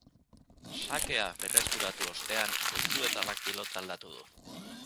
Sakea berreskuratu ostean goizuetarrak pilota aldatu du.